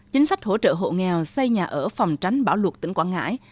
chính sách hỗ trợ hộ nghèo xây nhà ở phòng tránh bão lụt tỉnh quảng ngãi